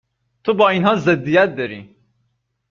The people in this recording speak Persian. تو با اینها ضدیت داری